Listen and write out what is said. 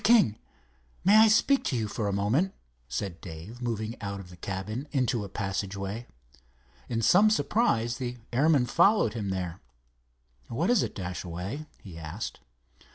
King, may I speak to you for a moment," said Dave, moving out of the cabin into a passageway. In some surprise the airman followed him there. "What is it, Dashaway?" he asked.